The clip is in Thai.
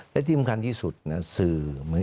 และที่สำคัญที่สุดนะสื่อ